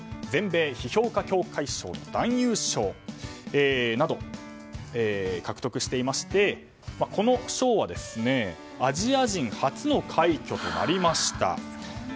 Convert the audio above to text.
全米批評家協会賞の男優賞など獲得していましてこの賞は、アジア人初の快挙となりました。